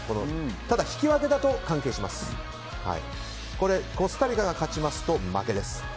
ただ、引き分けだとコスタリカが勝つと敗退です。